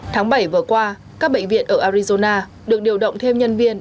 tháng bảy vừa qua các bệnh viện ở arizona được điều động thêm nhân viên